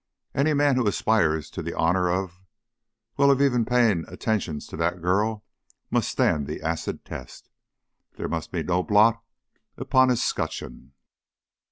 Any man who aspires to the honor of well, of even paying attentions to that girl must stand the acid test. There must be no blot upon his 'scutcheon."